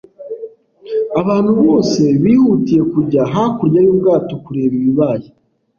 Abantu bose bihutiye kujya hakurya y'ubwato kureba ibibaye.